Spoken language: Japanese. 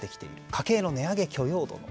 家計の値上げ許容度の。